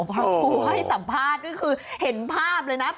พอครูให้สัมภาษณ์ก็คือเห็นภาพเลยนะ